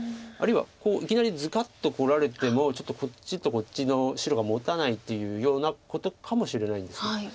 あるいはいきなりズカッとこられてもちょっとこっちとこっちの白がもたないというようなことかもしれないんです。